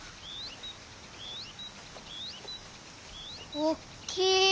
おっきい！